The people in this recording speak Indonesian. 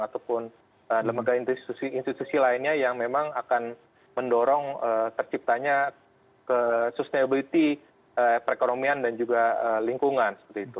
ataupun lembaga institusi institusi lainnya yang memang akan mendorong terciptanya ke sustainability perekonomian dan juga lingkungan